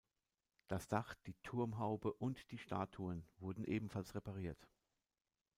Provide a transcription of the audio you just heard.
Das Dach, die Turmhaube und die Statuen wurden ebenfalls repariert.